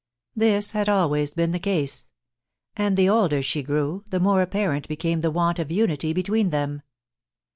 This had always been the case ; and the older she grew, the more apparent became the want of unity between them.